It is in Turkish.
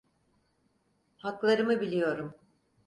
Haklarımı biliyorum.